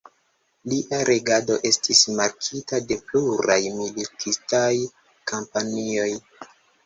Lia regado estis markita de pluraj militistaj kampanjoj.